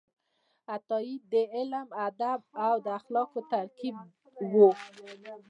عطايي د علم، ادب او اخلاقو ترکیب و.